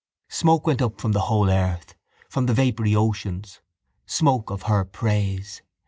Smoke went up from the whole earth, from the vapoury oceans, smoke of her praise.